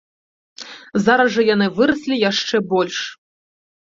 Зараз жа яны выраслі яшчэ больш.